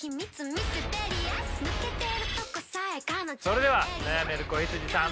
それでは悩める子羊さん。